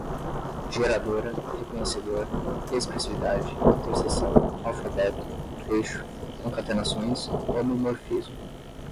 geradora, reconhecedor, expressividade, interseção, alfabeto, fecho, concatenações, homomorfismo